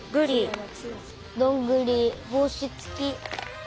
どんぐりぼうしつき。